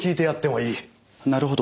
なるほど。